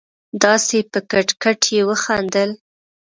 داسې په کټ کټ يې وخندل.